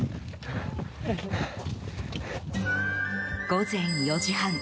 午前４時半。